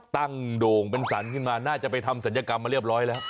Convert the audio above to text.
โด่งเป็นสรรขึ้นมาน่าจะไปทำศัลยกรรมมาเรียบร้อยแล้ว